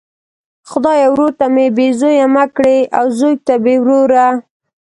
خدایه ورور ته مي بې زویه مه کړې او زوی ته بې وروره!